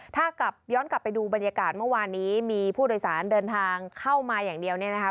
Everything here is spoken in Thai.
ถ้ากลับย้อนกลับไปดูบรรยากาศเมื่อวานนี้มีผู้โดยสารเดินทางเข้ามาอย่างเดียวเนี่ยนะคะ